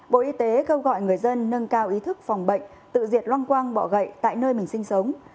bộ y tế kêu gọi người dân nâng cao ý thức phòng bệnh tự diệt loang quang bọ gậy tại nơi mình sinh sống